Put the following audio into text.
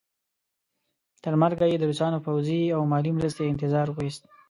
تر مرګه یې د روسانو پوځي او مالي مرستې انتظار وایست.